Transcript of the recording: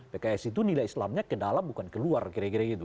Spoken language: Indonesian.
pks itu nilai islamnya ke dalam bukan keluar kira kira gitu